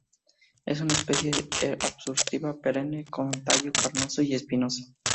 Es una especie arbustiva perenne con tallo carnoso y espinoso.